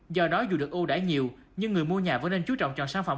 do đó dù được ưu đải nhiều nhưng người mua nhà vẫn nên chú trọng chọn sản phẩm